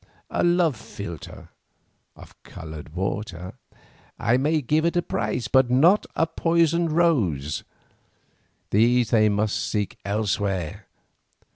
A love philtre—of coloured water—I may give at a price, but not a poisoned rose. These they must seek elsewhere.